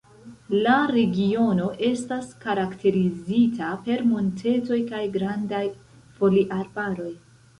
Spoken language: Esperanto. La regiono estas karakterizita per montetoj kaj grandaj foliarbaroj.